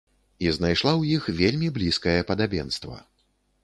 І знайшла ў іх вельмі блізкае падабенства.